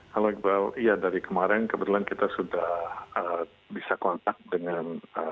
halo iqbal ya dari kemarin kebetulan kita sudah bisa kontak dengan